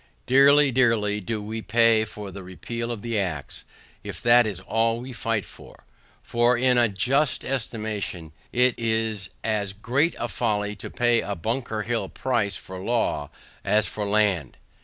Dearly, dearly, do we pay for the repeal of the acts, if that is all we fight for; for in a just estimation, it is as great a folly to pay a Bunker hill price for law, as for land.